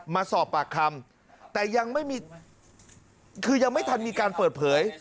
มาสอบปากคำแต่ยังไม่มีคือยังไม่ทันมีการเปิดเผย